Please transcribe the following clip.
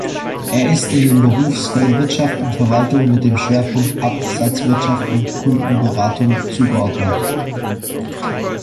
Er ist dem Berufsfeld Wirtschaft und Verwaltung mit dem Schwerpunkt Absatzwirtschaft und Kundenberatung zugeordnet.